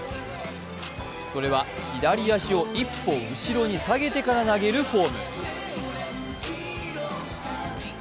それは、左足を一歩後ろに下げてから投げるフォーム。